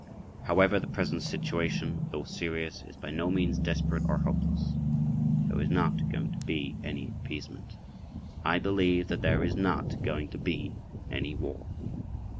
However, the present situation, though serious, is by no means desperate or hopeless. There is not going to be any appeasement. I believe that there is not going to be any war.